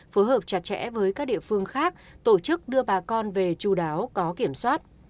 phối hợp chặt chẽ với các địa phương khác tổ chức đưa bà con về chú đáo có kiểm soát